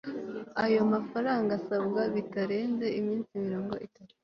ayo mafaranga asabwa bitarenze iminsi mirongo itatu